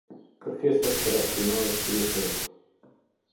Kërkesat për aksionarët kryesorë.